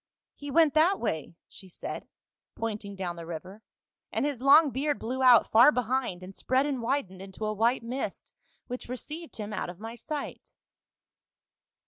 ' He went that way,' she said, pointing down the river, ' and his long beard blew out far behind and spread and w^idened into a white mist which received him out of my sight.'